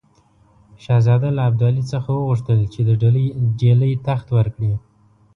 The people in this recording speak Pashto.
شهزاده له ابدالي څخه وغوښتل چې د ډهلي تخت ورکړي.